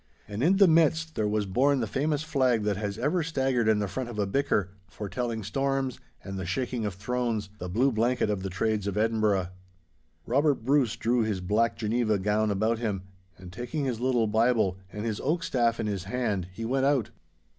And in the midst there was borne the famous flag that has ever staggered in the front of a bicker, foretelling storms and the shaking of thrones—the Blue Blanket of the trades of Edinburgh. Robert Bruce drew his black Geneva gown about him, and taking his little Bible and his oak staff in his hand he went out.